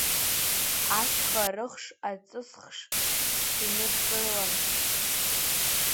Ашьха рыхш, аҵысхш иныдкылан…